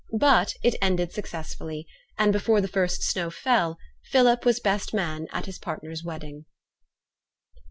But it ended successfully; and before the first snow fell, Philip was best man at his partner's wedding.